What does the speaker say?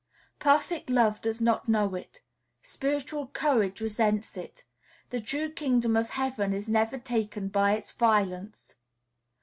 Perfect love does not know it; spiritual courage resents it; the true Kingdom of Heaven is never taken by its "violence."